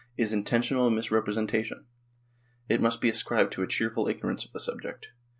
is intentional misrepresentation ; it must be ascribed to a cheerful ignorance of the subject.